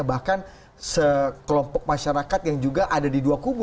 bahkan sekelompok masyarakat yang juga ada di dua kubu